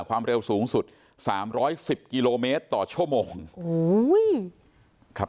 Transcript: ความเร็วสูงสุดสามร้อยสิบกิโลเมตรต่อชั่วโมงโอ้โหขับ